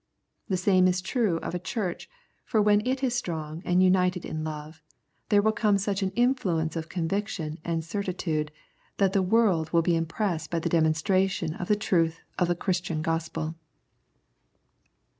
The same is true of a Church, for when it is strong and united in love, there will come such an influx of con viction and certitude that the world will be impressed by the demonstration of the truth of the Christian Gospel.